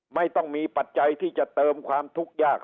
ไม่ต้องมีปัจจัยที่จะเติมความทุกข์ยาก